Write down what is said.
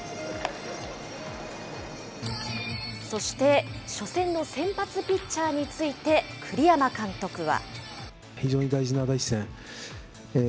そして初戦の先発ピッチャーについて、栗山監督は。